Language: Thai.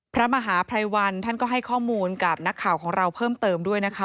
พระมหาภัยวันท่านก็ให้ข้อมูลกับนักข่าวของเราเพิ่มเติมด้วยนะคะ